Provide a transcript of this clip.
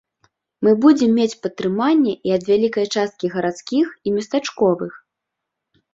Мы будзем мець падтрыманне і ад вялікай часткі гарадскіх і местачковых.